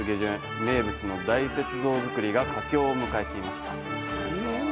名物の大雪像づくりが佳境を迎えていました。